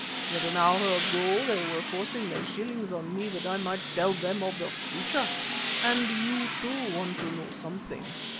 Yet an hour ago they were forcing their shillings on me that I might tell them of the future. And you, too, want to know something.